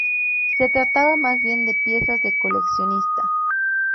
Se trata más bien de piezas de coleccionista.